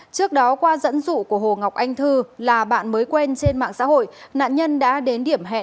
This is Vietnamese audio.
trước đó qua dẫn dụ của hồ ngọc anh thư là bạn mới quen trên mạng xã hội nạn nhân đã đến điểm hẹn